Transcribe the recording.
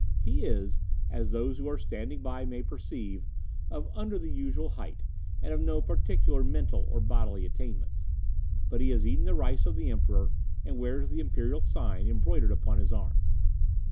He is, as those who are standing by may perceive, of under the usual height, and of no particular mental or bodily attainments. But he has eaten the rice of the Emperor, and wears the Imperial sign embroidered upon his arm.